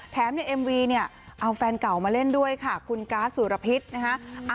ในเอ็มวีเนี่ยเอาแฟนเก่ามาเล่นด้วยค่ะคุณการ์ดสุรพิษนะคะ